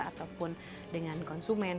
ataupun dengan konsumen